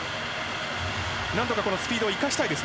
何とかスピードを生かしたい。